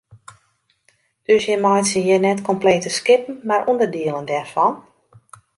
Dus jim meitsje hjir net komplete skippen mar ûnderdielen dêrfan?